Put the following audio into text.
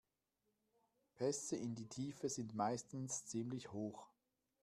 Pässe in die Tiefe sind meistens ziemlich hoch.